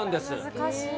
難しい。